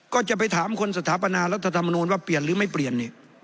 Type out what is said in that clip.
ก็จะไปถามคนสถาปนารัฐธรรมนูลว่าเปลี่ยนหรือไม่เปลี่ยน